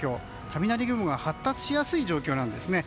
雷雲が発達しやすい状況なんです。